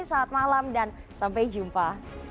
selamat malam dan sampai jumpa